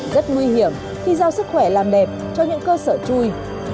rất nguy hiểm khi giao sức khỏe làm đẹp cho những cơ sở chui